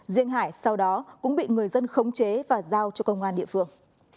riêng hải sau đó cũng bị người dân khống chế và giao cho công an địa phương